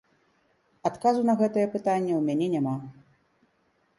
Адказу на гэтае пытанне ў мяне няма.